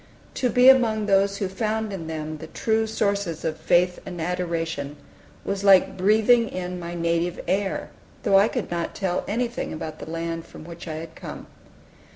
To be among those who found in the true sources of faith and adoration, was like breathing in my native air, though I could not tell anything about the land from which I had come.